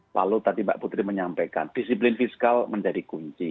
lalu tadi mbak putri menyampaikan disiplin fiskal menjadi kunci